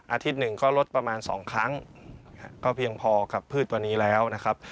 อาทิตย์หนึ่งก็ลดประมาณสองครั้งก็เพียงพอกับพืชตัวนี้แล้วนะครับ